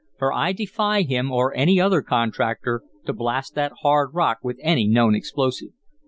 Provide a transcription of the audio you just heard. For I defy him, or any other contractor, to blast that hard rock with any known explosive.